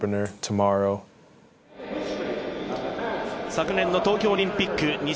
昨年の東京オリンピック